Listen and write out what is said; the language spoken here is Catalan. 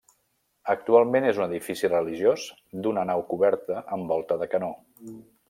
Actualment és un edifici religiós d'una nau coberta amb volta de canó.